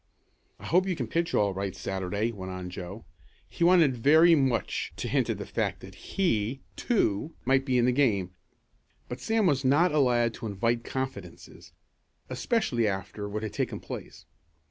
"I hope you can pitch all right Saturday," went on Joe. He wanted very much to hint at the fact that he, too, might be in the game, but Sam was not a lad to invite confidences, especially after what had taken place.